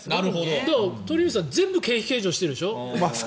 だから、鳥海さん全部、経費計上してるでしょ。